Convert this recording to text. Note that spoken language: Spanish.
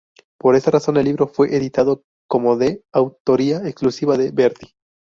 Por esa razón el libro fue editado como de autoría exclusiva de Berti.